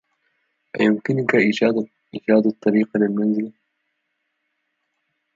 ايمكنك ايجاد الطريق للمنزل؟